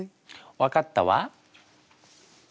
分かったわ。